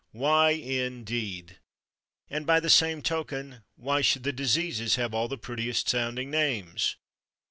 Why, indeed! And by the same token, why should the Diseases have all the prettiest sounding names?